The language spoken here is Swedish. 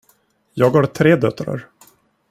Jag har tre döttrar.